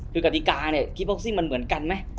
คือกฎิกาเนี่ยกิฟบ็อกซิ่งมันเหมือนกันไหม